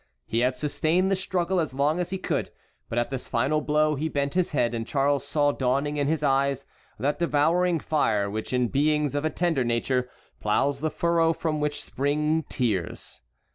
He had sustained the struggle as long as he could, but at this final blow he bent his head, and Charles saw dawning in his eyes that devouring fire which in beings of a tender nature ploughs the furrow from which spring tears.